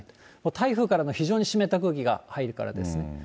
台風からの非常に湿った空気が入るからですね。